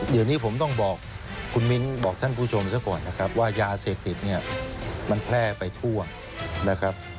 เดี๋ยวนี้ผมต้องบอกคุณมิ้นบอกท่านผู้ชมซะก่อนนะครับว่ายาเสพติดเนี่ยมันแพร่ไปทั่วนะครับ